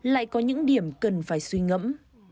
lại có những điểm cần phải suy ngẫm